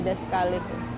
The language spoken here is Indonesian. ini beda sekali